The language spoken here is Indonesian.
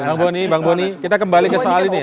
bang boni bang boni kita kembali ke soal ini ya